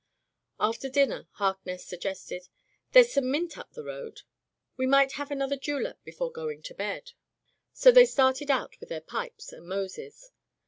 After dinner Harkness suggested :There's some mint up the road. We might have an other julep before going to bed.'* So they started out with their pipes and Moses.